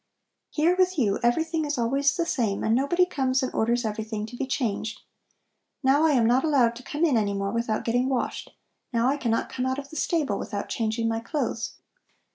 "Here with you everything is always the same and nobody comes and orders everything to be changed. Now, I am not allowed to come in any more without getting washed; now, I cannot come out of the stable without changing my clothes.